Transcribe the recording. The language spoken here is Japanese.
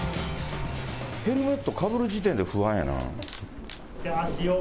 ヘルメットかぶる時点で不安やな。